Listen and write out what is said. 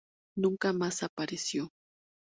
Nunca más apareció.